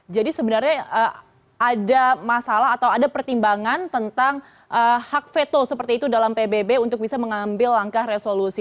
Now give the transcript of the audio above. jadi sebenarnya ada masalah atau ada pertimbangan tentang hak vito seperti itu dalam pbb untuk bisa mengambil langkah resolusi